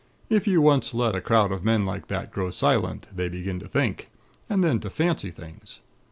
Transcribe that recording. If you once let a crowd of men like that grow silent, they begin to think, and then to fancy things.